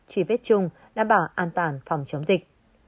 truy vết chung đảm bảo an toàn phòng chống dịch